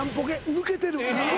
抜けてる！